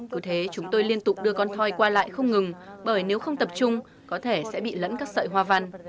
cứ thế chúng tôi liên tục đưa con thoi qua lại không ngừng bởi nếu không tập trung có thể sẽ bị lẫn các sợi hoa văn